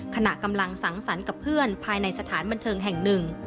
ขณะกำลังสังสรรค์กับเพื่อนภายในสถานบันเทิงแห่งหนึ่ง